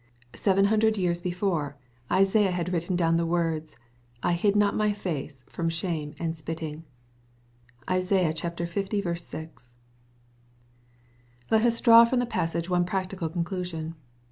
Seven hundred years before, Isaiah had written down the words, " I hid not my face from shame and spitting/' (Isai. 1. 6.) | Let us draw from the passage one practical conclusion.